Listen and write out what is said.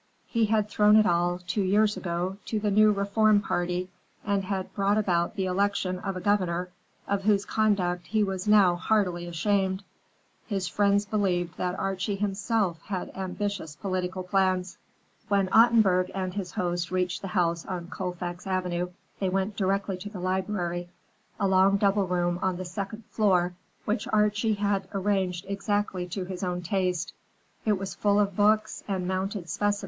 He had thrown it all, two years ago, to the new reform party, and had brought about the election of a governor of whose conduct he was now heartily ashamed. His friends believed that Archie himself had ambitious political plans. II When Ottenburg and his host reached the house on Colfax Avenue, they went directly to the library, a long double room on the second floor which Archie had arranged exactly to his own taste.